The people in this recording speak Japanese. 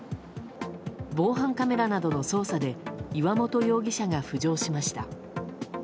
防犯カメラなどの捜査で岩本容疑者が浮上しました。